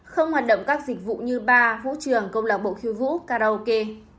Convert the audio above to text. không hoạt động các dịch vụ như bar vũ trường công lạc bộ khiêu vũ karaoke